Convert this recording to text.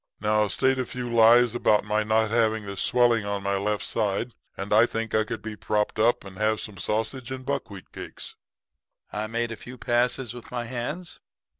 Now state a few lies about my not having this swelling in my left side, and I think I could be propped up and have some sausage and buckwheat cakes.' "I made a few passes with my hands.